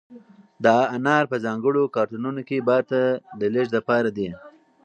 دا انار په ځانګړو کارتنونو کې بهر ته د لېږد لپاره دي.